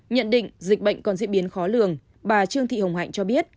nhận định dịch bệnh còn diễn biến khó lường bà trương thị hồng hạnh cho biết